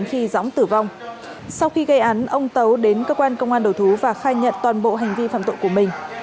khi gây án ông tấu đến cơ quan công an đầu thú và khai nhận toàn bộ hành vi phạm tội của mình